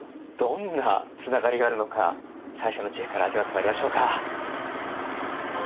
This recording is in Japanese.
どんなつながりがあるのか最初の知恵から味わってまいりましょうか。